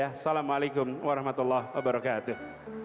assalamualaikum warahmatullahi wabarakatuh